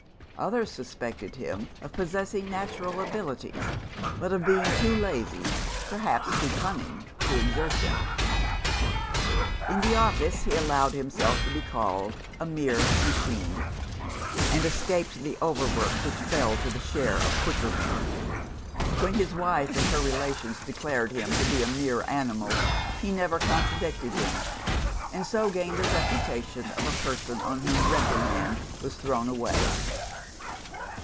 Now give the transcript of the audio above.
Others suspected him of possessing natural abilities, but of being too lazy, perhaps too cunning, to exert them. In the office he allowed himself to be called "a mere machine" and escaped the overwork which fell to the share of quicker men. When his wife and her relations declared him to be a mere animal, he never contradicted them and so gained the reputation of a person on whom reprimand was thrown away.